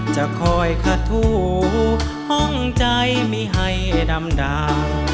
จะคอยฆะทูห้องใจมิให้ดำดาว